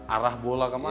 arah bola ke mana